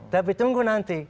tapi tunggu nanti